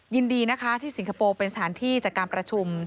ยินดีนะคะที่สิงคโปร์เป็นสถานที่จากการประชุม